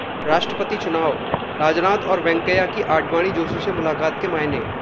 राष्ट्रपति चुनावः राजनाथ और वेंकैया की आडवाणी-जोशी से मुलाकात के मायने